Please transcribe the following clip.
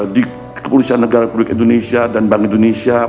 di kepolisian negara republik indonesia dan bank indonesia